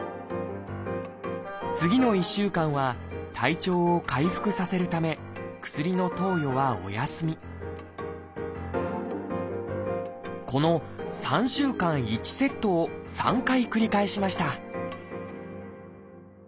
次の１週間は体調を回復させるため薬の投与はお休みこの３週間１セットを３回繰り返しました